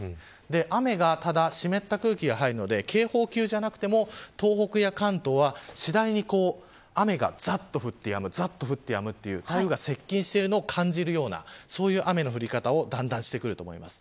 雨が、湿った空気が入るので警報級ではなくても東北や関東は次第に雨がざっと降ってやむざっと降ってやむという所が接近してるのを感じるような雨の降り方をしてくると思います。